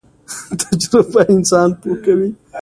تجربه انسان پوه کوي